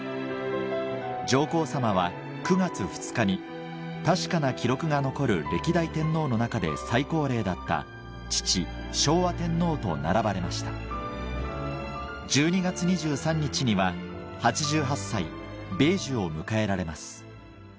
上皇さまは９月２日に確かな記録が残る歴代天皇の中で最高齢だった父昭和天皇と並ばれました１２月２３日には８８歳米寿を迎えられます